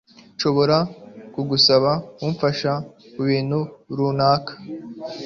Nshobora kugusaba kumfasha kubintu runaka?